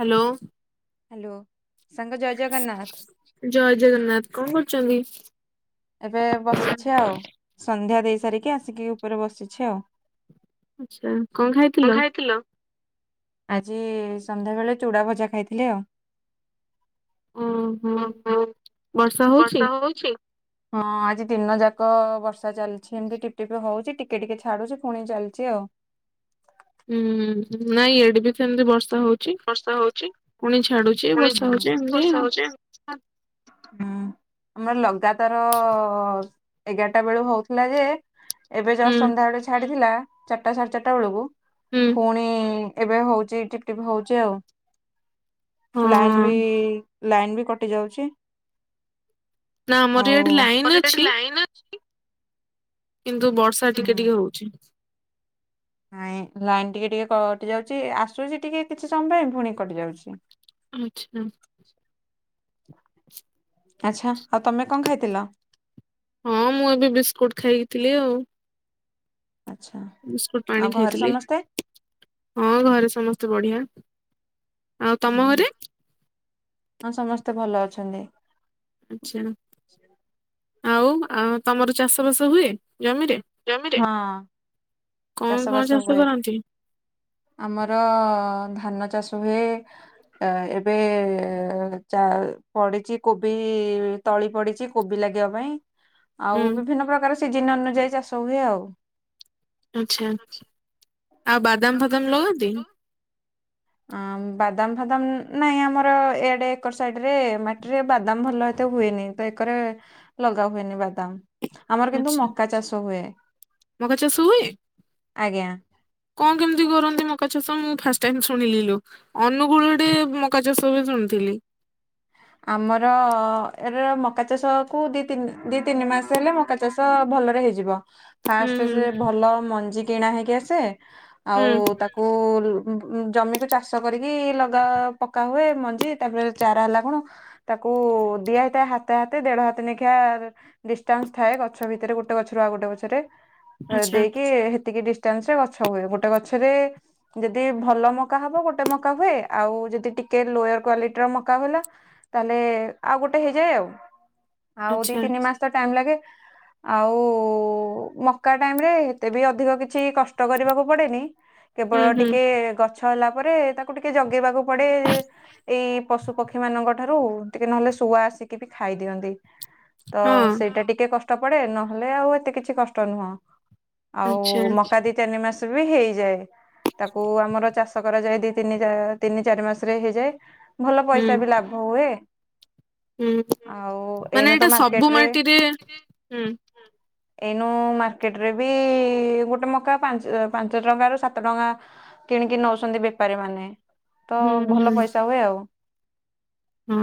Hello. Hello ସାଙ୍ଗ ଜୟ ଜଗନ୍ନାଥ। ଜୟ ଜଗନ୍ନାଥ କଣ କରୁଚନ୍ତି? ଏବେ ବସିଛି ଆଉ ସନ୍ଧ୍ୟା ଦେଇ ସାରିକି ଆସିକି ଉପରେ ବସିଛି ଆଉ। ଆଚ୍ଛା କଣ ଖାଇଥିଲ? ଆଜି ସନ୍ଧ୍ୟାବେଳେ ଚୁଡ଼ା ଭଜା ଖାଇଥିଲି ଆଉ। ଓହୋ। ଓହୋ ବର୍ଷା ହୋଉଚି ହଁ ଆଜି ଦିନ ଯାକ ବର୍ଷ୍ ଷା ଚାଲଚି ହେମତି ଟିପ ଟିପି ହୋଉଚି ଟିକେ ଟିକେ ଛାଡୁଚି ପୁଣି ଚାଲୁଚି ଆଉ। ଉଁହୁଁ ନାଇଁ ୟାଡେ ବି ସେମତି ବର୍ଷା ହୋଉ ଚି ବର୍ଷା ହଉଛି ପୁଣି ଛାଡୁଚି ବର୍ଷା ହୋଉଚି ଏମତି ଆଉ। ହଁ। ହୁଁ ଆମର ଲଗାତାର ଏଗାରଟା ବେଳୁ ହୋଉଥିଲା ଯେ ଏବେ ହୁଁ ଜଷ୍ଟ ସନ୍ଧ୍ୟାବେଳେ ଛାଡିଥିଲା ଚାରଟା ସାଢେ ଚାରଟା ବେଳକୁ ହୁଁ ଫୁଣି ଏବେ ହୋଉଚି ଟିପଟିପ ହୋଉଚି ଆଉ ହଁ ଲାଇନ୍ ବି ଲାଇନ୍ ବି କ କଟି ଯାଉଚି ନା ଆମର ଆଉ ଇଆଡେ ଲାଇନ ଅଛି କିନ୍ତୁ ବର୍ଷା ଅଛି? ଟିକେ ଟିକେ ହୋଉଚି। ନାଇଁ ଲାଇନ ଟିକେ ଟିକେ କଟିଯାଉଚି ଆସୁଚି ଟିକେ କିଛି ସମୟ ପାଇଁ ଫୁଣି କଟିଯାଉଚି। ଆଚ୍ଛା। ଆଚ୍ଛା ଆଉ ତମେ କଣ ଖାଇଥିଲ? ହଁ ମୁଁ ଏବେ ବିସ୍କୁଟ ଖାଇକି ଥିଲି ଆଉ। ଆଚ୍ଛା ବିସ୍କୁଟ ଆଉ ପାଣି ଘରେ ଖାଇଥିଲି ସମସ୍ତେ? ହଁ ଘରେ ସମସ୍ତେ ବଢିଆ। ଆଉ ତମ ଅଁ ଘରେ? ହଁ ସମସ୍ତେ ଭଲ ଅଛନ୍ତି। ଆଛା ଆଉ ଆ ତମର ଚାଷ ବାସ ହୁଏ? ଜମିରେ ଜମିରେ? ହଁ କଣ କଣ ବାସ ଚାଷ ହୁଏ କରନ୍ତି? ଆମର ଧାନ ଚାଷ ହୁଏ। ଅ ଏବେ ଚା ପଡିଚି କୋବି ତଳି ପଡିଚି କୋବି ଲାଗିବା ପାଇଁ ହୁଁ ଆଉ ବିଭିନ୍ନ ପ୍ରକାର ସିଜନ ଅନୁଯାୟୀ ଚାଷ ହୁଏ ଆଉ। ଆଛା ଆଉ ବାଦାମ ଫାଦାମ ଲଗାନ୍ତି? ଆଁମ୍ ବାଦାମ ଫାଦାମ ନାଇଁ ଆମର ଏଆଡେ ଏକର ସାଇଡରେ ମାଟିରେ ବାଦାମ ଭଲ ଏତେ ହୁଏନି ତ ଏକରେ ଲଗା ହୁଏନି ବାଦାମ। ଆମର କିନ୍ତୁ ଆଚ୍ଛା ମକା ଚାଷ ହୁଏ ମକା ଚାଷ ହୁଏ? ଆଜ୍ଞା। କଣ କେମିତି କରନ୍ତି ମକା ଚାଷ ମୁଁ ଫାଷ୍ଟ ଟାଇମ ଶୁଣିଲି ଲୋ? ଅନୁଗୁଳ ଆଡେ ମକା ଚାଷ ହୁଏ ଶୁଣିଥିଲି। ଆମର ଏରା ମକା ଚାଷକୁ ଦିତିନି ଦିତିନି ମାସେ ହେଲେ ମକା ଚା ଚାଷ ଭଲରେ ହେଇଯିବ। ହୁଁ ଫାଷ୍ଟରେ ହୁଁ ସେ ଭଲ ମଞ୍ଜି କିଣା ହେଇକି ଆସେ ଆଉ ହୁଁ ତାକୁ ଉଁ ଉଁ ଜମିକୁ ଚାଷ କରିକି ଲଗା ପକା ହୁଏ ମଞ୍ଜି ତାପରେ ଚାରା ହେଲା କଣ ତାକୁ ଦିଆ ହେଇଥାଏ ହାତେ ହାତେ ଦେଢ ହାତ ନେଖିଆ ଡିଷ୍ଟାନ୍ସ ଥାଏ ଗଛ ଭିତରେ ଗୋଟେ ଗଛରୁ ଆଉ ଗୋଟେ ଗଛରେ ଅ ଆଚ୍ଛା ଦେଇକି ହେତିକି ଡିଷ୍ ଷ୍ଟାନ୍ସରେ ଗଛ ହୁଏ ଗୋଟେ ଗଛରେ ଯଦି ଭଲ ମକା ହବ ଗୋଟେ ମକା ହୁଏ ଆଉ ଯଦି ଟିକେ ଲୋୟର କ୍ଵାଲିଟିର ମକା ହେଲା ତାହଲେ ଆଉ ଗୋଟେ ହେଇଯାଏ ଆଉ ଆଉ ଆଚ୍ଛା ଦିଇତିନି ମାସ ତ ଟାଇମ ଲାଗେ। ଆଉ ମକା ଟାଇମରେ ଏତେ ବି ଅଧିକ କିଛି କଷ୍ଟ କରିବାକୁ ପଡ଼େନି। ହୁଁ କେବଳ ହୁଁ ଟିକିଏ ଗ ଛ ହେଲା ପରେ ତାକୁ ଟିକେ ଜଗେଇବାକୁ ପଡେ ଏ ଏଇ ପଶୁ ପକ୍ଷୀ ମାନଙ୍କ ଠାରୁ ଟିକେ ନହେଲେ ଶୁଆ ଆସିକି ବି ଖାଇଦିଅନ୍ତି ତ ହଁ ସେଇଟା ଟିକେ କଷ୍ ଟ ପଡେ ନହେଲେ ଆଉ ଏତେ କିଛି କଷ୍ଟ ନୁହଁ ଆଉ ଆଚ୍ଛା ମକା ଦିତିନି ମାସ ରେବି ହେଇଯାଏ। ତାକୁ ଆମର ଚାଷ କରାଯାଏ ଦିଇ ତିନି ଯା ତିନି ଚାରି ମାସରେ ହେଇଯାଏ। ଭଲ ହୁଁ। ପଇସାବି ଲାଭ ହୁଏ। ହୁଁ ଆଉ ମାନେ ଏଇନେତ ଏଇଟା ସବୁ ମାର୍କେଟ ରେ ମାଟିରେ ହୁଁ ଏଇନୁ ମାର୍କେଟରେବି ଗୋଟେ ମକା ପାଞ୍ଚ ପାଞ୍ଚ ଟଙ୍କାରୁ ସାତ ଟଙ୍କା କିଣିକି ନଉଛନ୍ତି ବେପାରୀ ମାନେ ହୁଁ ହୁଁ ତଭଲ ପଇସା ହୁଏ ଆଉ। ହଁ,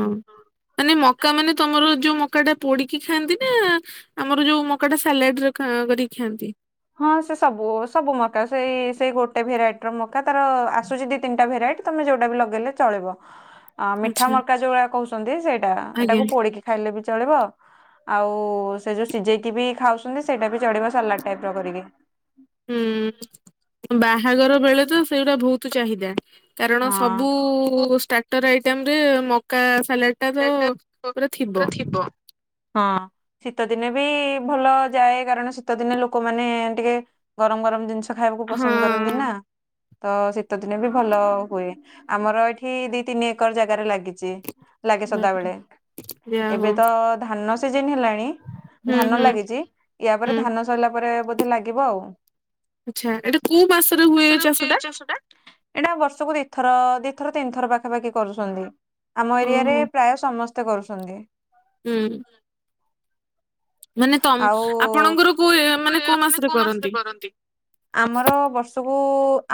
ମାନେ ମକା ମାନେ ତମର ଯୋଉ ମ ମକାଟା ପୋଡ଼ିକି ଖାଆନ୍ତିନା ଆମର ଯୋଉ ମକାଟା ସାଲାଡ଼େରେ କରିକି ଖାଆନ୍ତି? ହଁ ସେ ସବୁ ସବୁ ମକା ସେଇ ସେଇ ଗୋଟେ ଭେରାଇଟିର ମକା ତାର ଆସୁଚି ଦିତିନିଟା ଭେରାଇଟି ତମେ ଯୋଉଟାବି ଲଗେଇଲେ ଚଳିବ, ଆମିଠା ଆଚ୍ଛା ମକା ଯୋଉରା କହୁଛନ୍ତି ସେଇଟା ଆଜ୍ଞା ଏଇଟାକୁ ପୋଡ଼ିକି ଖାଇଲେବି ଚଳିବ ଆଉ ସେଯୋଉ ସିଝେଇକିବି ଖାଉଛନ୍ତି ସେଇଟାବି ଚଳିବ ସାଲାଡ଼ ଟାଇପର କରିକି ହୁଁ, ବାହାଘର ବେଳେତ ସେଉରା ବହୁତ୍ ଚାହିଦା। କାରଣ ସବୁ ହଁ। ଷ୍ଟାର୍ଟର ଆଇଟମରେ ମକା ସାଲାଡ଼ ସାଲାଡ଼େଟା ପୁରା ଥିବ। ହଁ ଶୀତ ଦିନେବି ଭଲ ଯାଏ କାରଣ ଶୀତ ଦିନେ ଲୋକମାନେ ଟିକେ ଗରମ ଗରମ ଜିନିଷ ଖାଇବାକୁ ପସନ୍ଦ ହଁ। କରନ୍ତିନା? ତ ଶୀତ ଦିନେବି ଭଲ ହୁଏ, ଆମର ଏଇଠି ଦିତିନି ଏକର ଜାଗାରେ ଲାଗିଚି। ଲାଗେ ବାପରେ ସଦାବେଳେ ଯା ହଉ ଏବେତ ଧାନ ସିଯିନି ହେଲାଣି ହୁଁ ଧାନ ହୁଁ ଲାଗିଚି ୟା ପରେ ହୁଁ ଧାନ ସରିଲା ପରେ ବୋଧେ ଲାଗିବ ଆଉ। ଆଚ୍ଛା ଏଟା କିଇ ମାସରେ ହୁଏ ଏଚାଷଟା? ଚାଷଟା ଏଇଟା ବର୍ଷକୁ ଦିଥର ଦିଥର ତିନି ଥର ପାଖାପାଖି କରୁଚନ୍ତି, ଆମ ଏରିଆରେ ଓହୋ ପ୍ରାୟ ସମସ୍ତେ କରୁଛନ୍ତି। ହୁଁ। ମାନେ ତମ ଆଉ ଆପଣଙ୍କର କୋଉ ଏ ମାନେ କୋଉ ମାସରେ କରନ୍ତି? ଆମର ବର୍ଷକୁ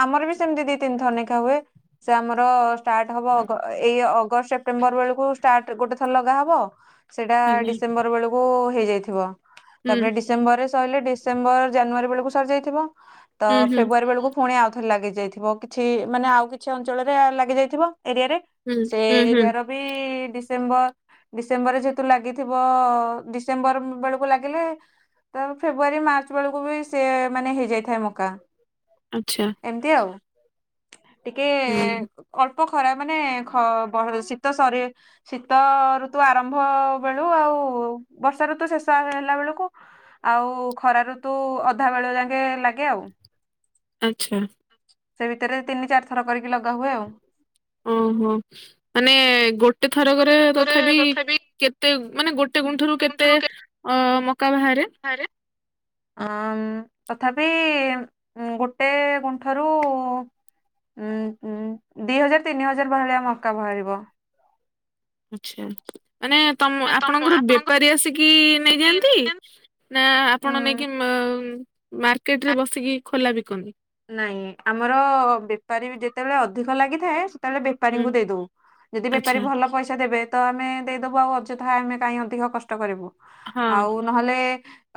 ଆମରବି ସେମତି ଦିତିନି ଥର ନେଖା ହୁଏ। ସେ ଆମର ଷ୍ଟାର୍ଟ ହବ ଅଗ ଏଇ ଅଗଷ୍ଟ ସେପ୍ଟେମ୍ବର ବେଳକୁ ଷ୍ଟାର୍ଟ ଗୋଟେ ଥର ଲଗା ହବ ସେଇଟା ଆଜ୍ଞା ଡିସେମ୍ବର ବେଳକୁ ହେଇଯାଇଥିବ ହୁଁ ତାପରେ ଡି ଡିସେମ୍ବରେ ସଇଲେ ଡିସେମ୍ବର ଜାନୁଆରୀ ବେଳକୁ ସରି ଯାଇଥିବ ତ ହୁଁ ହୁଁ ଫେବୃଆରୀ ବେଳକୁ ପୁଣି ଆଉଥରେ ଲାଗି ଯାଇଥିବ କିଛି ମାନେ ଆଉ କିଛି ଅଞ୍ଚଳରେ ଲାଗି ଯାଇଥିବ ଏରିଆରେ। ହୁଁ ସେ ହୁଁ ହୁଁ ଏରିଆର ବି ଡିସେମ୍ବର ଡିସେମ୍ବରରେ ଯେହେତୁ ଲାଗିଥିବ ଡିସେମ୍ବର ବେଳକୁ ଲାଗିଲେ ତା ଫେବୃଆରୀ ମାର୍ଚ୍ଚ ବେଳକୁବି ସେମାନେ ହେଇଯାଇଥାଏ ମକା। ଆଚ୍ଛା। ଏମିତି ଆଉ ଟିକେ ହୁଁ। ଅଳ୍ପ ଖରା ମାନେ ଖ ଶୀତ ଶରୀ ଶୀତ ଋତୁ ଆରମ୍ଭ ବେଳୁ ଆଉ ବର୍ଷା ଋତୁ ଶେଷ ହେଲା ବେଳକୁ ଆଉ ଖରାଊତୁ ଅଧା ବେଳ ଯାକେ ଲାଗେ ଆଉ। ଆଚ୍ଛା। ସେ ଭିତରେ ତିନି ଚାରି ଥର କରିକି ଲଗା ହୁଏ ଆଉ। ଓହୋ ମାନେ ଗୋଟେ ଥରକରେ ତଥାପି କେ କେତେ ମାନେ ଗୋଟେ ଗୁଣ୍ଠରୁ କେତେ ଅ ମକା ବାହାରେ? ବାହାରେ? ଆ ତଥାପି ଗୋଟେ ଗୁଣ୍ଠରୁ ଉଁ ଉଁ ଦିହଜାର ତିନି ହଜାର ଭଳିଆ ମକା ବାହାରିବ। ଆଚ୍ଛା ମାନେ ତମ ମାନେ ଆପଣଙ୍କର ଆପଣଙ୍କ ବେପାରୀ ଆସିକି ନେଇଯାଆନ୍ତି? ନା ଆପଣ ନେଇକି ହୁଁ। ମା ମାର୍କେଟରେ ବସିକି ଖୋଲା ବିକନ୍ତିି? ନାଇଁ ଆମର ବେପାରୀବି ଯେତେବେଳେ ଅଧିକ ଲାଗିଥାଏ ତାହେଲେ ହୁଁ ବେପାରୀଙ୍କୁ ଦେଇଦଉ ଯଦି ବେପାରୀ ଆଚ୍ଛା ଭଲ ପଇସା ଦେବେ ତ ଆମେ ଦେଇଦବୁ ଆଉ ଅଯଥା ଆମେ କାହିଁ ଅଧିକ କଷ୍ଟ କରିବୁ ହଁ ଆଉ ନହେଲେ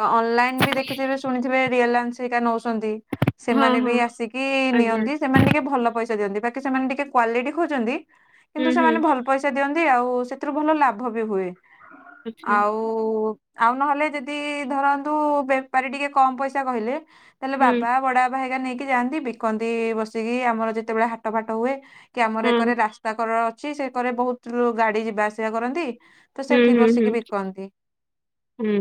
ଅନଲାଇନ୍ ବି ଦେଖିଥିବେ ଶୁଣିଥିବେ ରିଲାନ୍ସ ଏରିକା ନେଉଛନ୍ତି। ହଁ ସେମାନେ ବି ହଁ ଆସିକି ଆଜ୍ଞା ନିଅନ୍ତି। ସେମାନେ ଟିକେ ଭଲ ପଇସା ଦିଅନ୍ତି ବାକି ସେମାନେ ଟିକେ କ୍ଵାଲିଟି ଖୋଜନ୍ତି ହୁଁ କିନ୍ତୁ ହୁଁ ସେମାନେ ଭଲ ପଇସା ଦିଅନ୍ତି ଆଉ ସେଥିରୁ ଭଲ ଲାଭ ବି ହୁଏ ଆଚ୍ଛା ଆଉ ଓ ଆଉ ନହେଲେ ଯଦି ଧରନ୍ତୁ ବେପାରୀ ଟିକେ କମ ପଇସା କହିଲେ ତାହେଲେ ହୁଁ ବାବା ବଡବାପା ହେଇଗା ନେଇକି ଯାଆନ୍ତି ବିକନ୍ତି ବସିକି ଆମର ଯେତେବେଳେ ହାଟ ଫାଟ ହୁଏ। କି ଆମର ହଁ ଏକରେ ରାସ୍ତା କରର ଅଛି ସେ କରେ ବହୁତ ଗାଡି ଯିବା ଆସିବା କରନ୍ତି। ତ ହୁଁ ସେଠି ହୁଁ ହୁଁ। ବସିକି ବିକନ୍ତି। ହୁଁ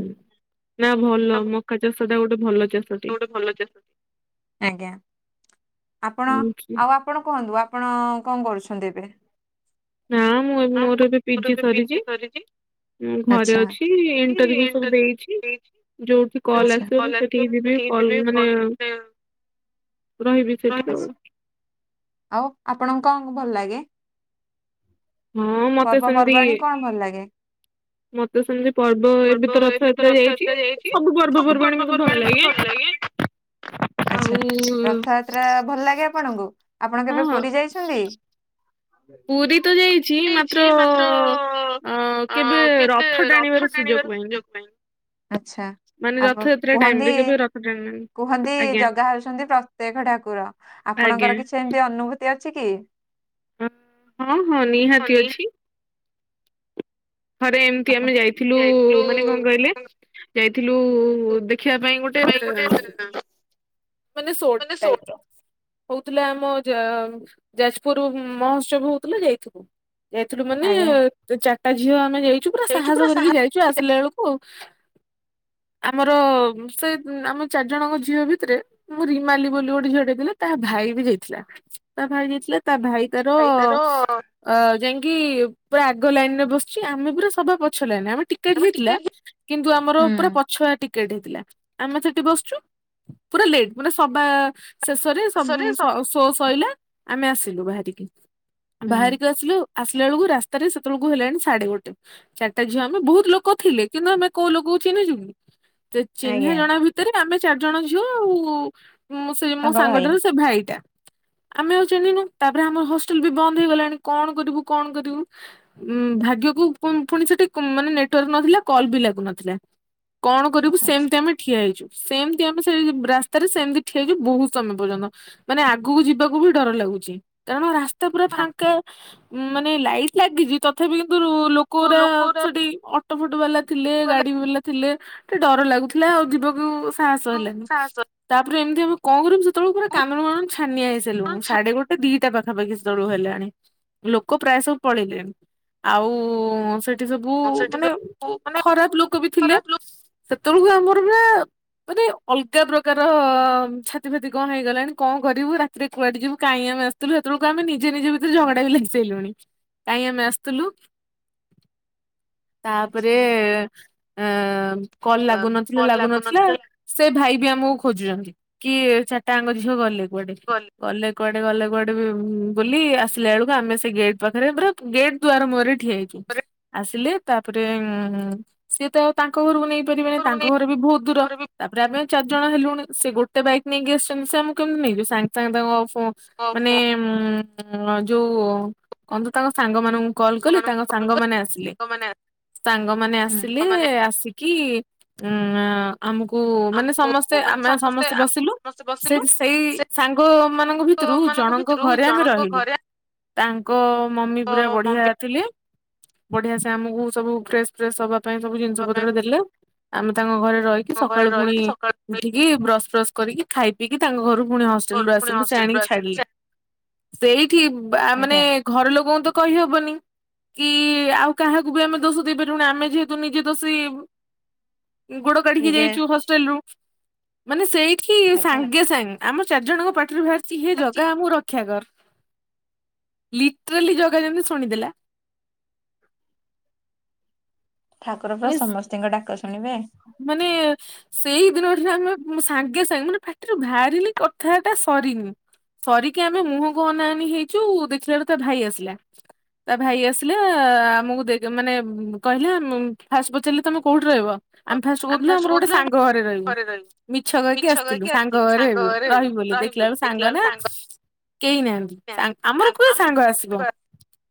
ନା ଭଲ ମକା ଚାଷଟା ଗୋଟେ ଭଲ ଚାଷଟେ। ଗୋଟେ ଭଲ ଚାସ ଆଜ୍ଞା ଆପଣ ଆଉ ଆପଣ କୁହନ୍ତୁ ଆପଣ କଣ କରୁଛନ୍ତି ଏବେ? ନା ମୁଁ ଏ ମୋର ଏବେ ପିଜି ସରିଛି। ମୁଁ ଘରେ ଆଚ୍ଛା। ଅଛି ଇଣ୍ଟରଭି୍ୟୁ ସବୁ ଦେଇଛି। ଯୋଉଠି କଲ୍ ଆସିବ ମୁଁ ସେଠିକି ଯିବି କଲ ମାନେ ରହିବି ସେଠି ଆଉ ଆଉ ଆପଣଙ୍କୁ କଣ ଭଲ ଲାଗେ? ହଁ ମତେ ପର୍ବ ସେମିତି ପର୍ବାଣୀ କଣ ଭଲ ଲାଗେ? ପର୍ବ ଏବେ ତ ରଥଯାତ୍ରା ଯାଇଛି ସବୁ ପର୍ବପର୍ବାଣିୀ ମତେ ଭଲ ଲାଗେ। ଆଉ ଆଛା ରଥଯାତ୍ରା ଭଲ ଲାଗେ ଆପଣଙ୍କୁ? ଆପଣ ହଁ କେବେ ହଁ ପୁରୀ ଯାଇଛନ୍ତି? ପୁରୀ ତ ଯାଇଛି ମାତ୍ର ଅ କେବେ ରଥ ଟାଣିବାର ସୁଯୋଗ ପାଇନି। ଆଚ୍ଛା ମାନେ ଆପଣ ରଥଯାତ୍ରା କୁହନ୍ତି ଟାଇମରେ କେବେ ରଥ ଟାଣିଣି। କୁହନ୍ତି ଜଗା ହଉଛନ୍ତି ପ୍ରତ୍ୟେକ ଠାକୁର ଆଜ୍ଞା। ଆପଣଙ୍କର କିଛି ଏମିତି ଅନୁଭୂତି ଅଛି କି? ହଁ ହଁ ନିହାତି ଅଛି। ଥରେ ଏମିତି ନିହାତି ଆମେ ଯାଇଥିଲୁ ମାନେ କଣ କହିଲେ ଯାଇଥିଲୁ ଦେଖିବା ପାଇଁ ଗୋ ପାଇଁ ଗୋଟେ [inaudible] ମାନେ ସୋଟ ଟାଇପର। ହଉଥିଲା ଆମ ଯା ଯାଜପୁର ମହୋତ୍ସବ ହଉଥିଲା ଯାଇଥିଲୁ। ଯାଇଥିଲୁ ମାନେ ଆଜ୍ଞା। ଚାରଟା ଝିଅ ଆମେ ଯାଇଛୁ ପୁରା ସାହସ କରିକି ଯାଇଛୁ ଆସିଲା ବେଳକୁ ଆମର ସେ ଆମ ଚାରି ଜଣଙ୍କ ଝିଅ ଭିତରେ ମୁଁ ରିମାଲି ବୋଲି ଗୋଟେ ଝିଅଟେ ଥିଲା ତା ଭାଇ ବି ଯାଇଥିଲା ତା ଭାଇ ଯାଇଥିଲେ ତା ଭାଇ ତାର ଅ ଯାଇକି ପୁରା ଆଗ ଲାଇନରେ ବସିଛି ଆମେ ପୁରା ସବା ପଛ ଲାଇନ ଆମେ ଟିକ ଟିକେଟ ହେଇଥିଲା କିନ୍ତୁ ଆମର ଉପରେ ହୁଁ। ପଛୁଆ ଟିକେଟ। ଟିକେଟ ହେଇଥିଲା ଆମେ ସେଠି ବସଛୁ ପୁରା ଲେଟ ମାନେ ସବା ଶେଷରେ ସବୁ ଶୋ ଶୋଇଲା ଆମେ ଆସିଲୁ ବାହାରିକି ହୁଁ ବାହାରିକି ଆସିଲୁ। ଆସିଲା ବେଳକୁ ରାସ୍ତାରେ ସେତେବେଳକୁ ହେଲାଣି ସାଡେ ଗୋଟେ ଚାରିଟା ଝିଅ ଆମେ ବହୁତ ଲୋକ ଥିଲେ କିନ୍ତୁ ଆମେ କୋଉ ଲୋକକୁ ଚିହ୍ନିଛୁ ଚିହ୍ନା ଆଜ୍ଞା ଜଣ ଭିତରେ ଆମେ ଚାରି ଜଣ ଝିଅ ଆଉ ସେ ମୋ ତାଙ୍କ ଭାଇ ସାଙ୍ଗଟାର ସେ ଭାଇଟା। ଆମେ ଆଉ ଚିହ୍ନିନୁ ତାପରେ ଆମର ହଷ୍ଟେଲ ବି ବନ୍ଦ ହେଇଗଲାଣି କଣ କରିବୁ କଣ କରିବୁ ହୁଁ ଭାଗ୍ୟକୁ ପୁଣି ସେଠି ମାନେ ନେଟୱାର୍କ ନଥିଲା କଲ ବି ଲାଗୁ ନଥିଲା। କଣ କରିବୁ ଆଚ୍ଛା। ସେମିତି ଆମେ ଠିଆ ହେଇଛୁ ସେମିତି ଆମେ ସେମିତି ରାସ୍ତା ରାସ୍ତାରେ ସେମିତି ଠିଆହେଇଛୁ ବହୁତ ସମୟ ପର୍ଯ୍ୟନ୍ତ ମାନେ ଆଗକୁ ଯିବାକୁ ବି ଡର ଲାଗୁଛି କାରଣ ରାସ୍ତା ରାସ୍ତା ପୁରା ଫାଙ୍କା ମାନେ ଲାଇଟ ଲାଗିଛି ତଥାପି କିନ୍ତୁ ଲୋ ଲୋକଗୁରା ଲୋକରା ସେଠି ଅଟୋ ଫଟ ବାଲା ଥିଲେ ଗାଡି ବାଲା ଥିଲେ। ଟିକେ ଡର ଲାଗୁଥିଲା ଆଉ ଯିବାକୁ ସାହସ ହେଲାନି। ସାହସ ତାପରେ ଏମିତି ଆମେ କଣ କରିବୁ ସେତେବେଳେ ପୁର କାଦୁନୁ ମାଦୁନୁ ଛନିଆହେଇସାରିଲୁଣି ସାଢେଗୋ ସେ ଦିଟା ପାଖାପାଖି ସେତେଳୁ ହେଲାଣି ଲୋକ ପ୍ରାୟ ସବୁ ପଳେଇଲେଣି। ଆଉ ସେଠି ସବୁ ସେଠି ମାନେ ସବୁ ମାନେ ଖରାପ ଲୋକ ବି ଥିଲେ। ଖରାପ ଲୋକ ସେତେବେଳକୁ ଆମର ପା ମାନେ ଅଲଗା ପ୍ର ର ଛାତି ଫାତି କଣ ହେଇଗଲାଣି କଣ କରିବୁ ରାତିରେ କୁଆଡେ ଯିବୁ କାଇଁ ଆମେ ଆସ ଥିଲୁ ସେତେବେଳକୁ ଆମେ ନିଜେ ନିଜେ ଭିତରେ ଝଗଡା ବି ଲାଗି ସାଇଲୁଣି କାହିଁକି ଆମେ ଆଶୁଥିଲୁ। ତାପରେ ଆଚ୍ଛା। ଅ କଲ ଲାଗୁନଥିଲା ଲାଗୁନଥିଲା। ସେ ଭାଇ ବି ଆମକୁ ଖୋଜୁଛନ୍ତି କି ଚାରିଟା ଆଙ୍କ ଝିଅ ଗଲେ କୁଆଡେ? କଲ। ଗଲେ କୁଆଡେ ଗଲେ କୁଆଡେ ବୁଲି ଆସିଲା ବେଳକୁ ଆମେ ସେ ଗେଟ୍ ପାଖରେ ପୁରା ଗେଟ୍ ଦୁଆାର ମୋରେ ଠିଆ ହେଇଚୁ ଆସିଲେ ତାପରେ ସିଏ ତ ତାଙ୍କ ଘରକୁ ନେଇପାରିବେନି ହୁଁ। ତାଙ୍କ ଘର ବି ବହୁତ ଦୂର ତାପରେ ଆମେ ଚାରିଜଣ ହେଲୁଣି। ସେ ଗୋଟେ ବାଇକ ନେଇକି ଆସିଛନ୍ତି ସେ ଆଁ କେମିତି ନେଇଯିବ ସାଙ୍ଗ ସାଙ୍ଗଙ୍କ ମାନେ ଉଁ ଯୋଉ କଣତ ତାଙ୍କ ସାଙ୍ଗ ମାନଙ୍କୁ କଲ କଲି ତାଙ୍କ ସାଙ୍ଗମାନେ ଆସିଲେ ମାନେ ସାଙ୍ଗମାନେ ଆସିଲେ ଆସିକି କି ଉ ଆମକୁ ମାନେ ଆମକୁ ସମସ୍ତେ ମାନେ ଆମେ ସମସ୍ତେ ବସିଲୁ ସମସ୍ତେ ସେ ବସିଲୁ ସେଇ ସେ ସାଙ୍ଗ ମାନଙ୍କ ଭିତରୁ ମାନଙ୍କ ଜଣକୁ ତାଙ୍କ ଭିତରୁ ଘରେ ଆମେ ଜଣଙ୍କ ରହିଲୁ ଘରେ ତାଙ୍କ ମମି ପୁରା ବଢିଆ ମମି ଥିଲେ। ବଢିଆ ସେ ଆମକୁ ସବୁ ଫ୍ରେସ ଫ୍ରେସ ହବାକୁ ପାଇଁ ସବୁ ଜିନିଷ ବାପା ପାଇଁ ପତ୍ର ସବୁ ଦେଲେ ଆମେ ତାଙ୍କ ଘରେ ରହିକି ଘରେ ସକାଳୁ ପୁଣି ରହିକି ସକାଳୁ ଉଠିକି ବ୍ରସ ଫ୍ରସ୍ କରିକି ଖାଇ ପିକି ତାଙ୍କ ଘରୁ ପୁଣି ହଷ୍ଟେଲ ଘରୁ ରୁ ପୁଣି ଆସିଲୁ ସେ ହଷ୍ଟେଲ ରୁ ଆଣିକି ଆସିଲୁ ସେ ଛାଡିଲେ। ସେଇଠି ମାନେ ଆଜ୍ଞା ଘର ଲୋକଙ୍କୁ ତ କହିହବନି। କି ଆଉ କାହାକୁ ବି ଆମେ ଦୋଷ ଦେଇ ପାରିବୁନ ଆମେ ଯେହେତୁ ନିଜେ ଦୋଷୀ। ଗୋଡ କାଢିକି ନିଜେ ଯାଇଛୁ ହଷ୍ଟେଲ ରୁ। ମାନେ ସେଇଠି ଆଜ୍ଞା। ସାଙ୍ଗେ ସାଙ୍ଗେ ଆମ ଚାରି ଜଣଙ୍କ ପାଟିରୁ ବାହାରିଚଛି ହେ ଜାଗା ଆମ ରଖ ରକ୍ଷା କର ଲିଟ୍ରାଲି ଜଗା ଯେମିତି ଶୁଣିଦେଲା। ଠାକୁର ପା ମାନେ ସମସ୍ତିଙ୍କ ଡାକ ଶୁଣିବେ। ମାନେ ସେଇଦିନ ଠାରୁ ଆମେ ସାଙ୍ଗେ ସାଙ୍ଗେ ମାନେ ପାଟିରୁ ଭାରିନି କଥା ଟା ସରିନି ସରିକି ଆମେ ମୁହକୁ ଅନା ଅନି ହେଇଛୁ ଦେଖିଲା ବେଳୁ ତା ଭାଇ ଆସିଲା। ତା ଭାଇ ଆସିଲା ଆମକୁ ମାନେ ଦେ କହିଲା ଫାଷ୍ଟ ପଚାରିଲେ ତମେ କୋଉଠି ରହିବ? ଆମେ ଫାଷ୍ଟ କହୁଥିଲୁ ଆମର ଗୋଟେ ସାଙ୍ଗ ଘରେ ରହିବୁ। ମିଛ କହିକି ଆସିଥିଲୁ ସାଙ୍ଗ ଘରେ ରହିବି ବୋଲି ଦେଖିଲା ବେଳୁ ସାଙ୍ଗନା କେହି ନାହାନ୍ତି ତାଙ୍କ ଆମର ନାହାନ୍ତି। କୁଏ ଆମ ସାଙ୍ଗ ଆସିବ। ସାଙ୍ଗ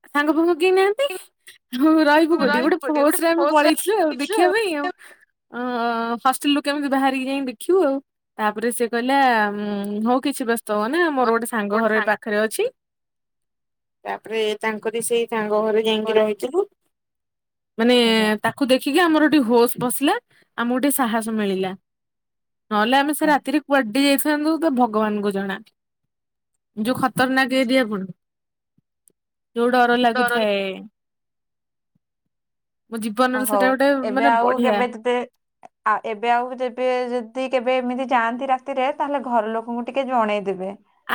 ସାଙ୍ଗ ଫାଙ୍ଗ କେହିଁ ନାହାନ୍ତି ଆଉ ରହିବୁ କୋଠି ଗୋଟେ ହୋସରେ ଆମେ ପଳେଇଥିଲୁ ଆଉ ଦେଖିବା ପାଇଁ ଆଉ। ଅ ହଷ୍ଟେଲ ରୁ କେମିତି ବାହାରିକି ଯାଇକି ଦେଖିବୁ ଆଉ। ତାପରେ ସେ କହିଲା ଉଁ ହଉ କିଛି ବ୍ୟସ୍ତ ହୁଅନା ମୋର ଗୋଟେ ସାଙ୍ଗ ଘର ଏଇ ପାଖରେ ଅଛି ତାପରେ ତାଙ୍କରି ସେଇ ସାଙ୍ଗ ଘରେ ଯାଇକି ରହିଥିବୁ। ମାନେ ଆଜ୍ଞା ତାକୁ ଦେଖିକି ଆମର ଗୋଟେ ହୋସ୍ ପସିଲା ଆମକୁ ଗୋଟିଏ ସାହସ ମିଳିଲା। ନହେଲେ ଆମେ ସେ ରାତିରେ କୁଆଡ ହେଇ ଯାଇଥାନ୍ତୁ ତ ଭଗବାନଙ୍କୁ ଜଣା ଯୋଉ ଖତରନାକ ଏରିିଆ ପୁଣି। ଯୋଉ ଡର ଆଜ୍ଞା ଲାଗୁଥାଏ। ମୋ ଓ ଜୀବନରେ ହଉ ସେଟା ଗୋଟେ ଏବେ ମାନେ ଆଉ ବଢିଆ କେବେ ତତେ ଆଉ ଏବେ ଆଉ ଯେବେ ଯଦି କେବେ ଏମିତି ଯାଆନ୍ତି ରାତିରେ ତାହେଲେ ଘର ଲୋକଙ୍କୁ ଟିକେ ଜଣେଇଦେବେ।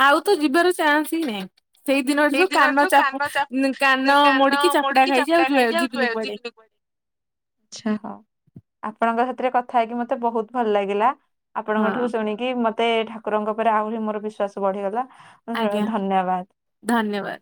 ଆଉ ତ ଯିବାର ଚାନ୍ସ ହିଁ ନାହିଁ। ସେଇ ଦିନଠୁ କାନ ଚାପୁ କାନ ମୋଡିକି ଚାପୁଡା ଖାଇଛି ଆଉ ଜୁଆ ଯିବିନି କୁଆଡେ। ଆଛା ହଉ ଆପଣଙ୍କ ସାଥିରେ କଥା ହେଇକି ମତେ ବହୁତ ଭଲ ଲାଗିଲା। ଆପଣଙ୍କ ହଁ ଠୁ ଶୁଣିକି ମତେ ଠାକୁରଙ୍କ ଉପରେ ଆହୁରି ମୋର ବିଶ୍ଵାସ ବଢିଗଲା। ହୁଁ ଆଜ୍ଞା ଧନ୍ୟବାଦ। ଧନ୍ୟବାଦ।